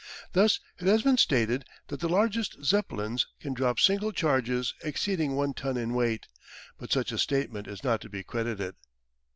Thus it has been stated that the largest Zeppelins can drop single charges exceeding one ton in weight, but such a statement is not to be credited.